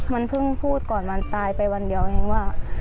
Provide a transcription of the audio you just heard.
มันเพิ่งพูดก่อนวันตายไปวันเดียวเองว่า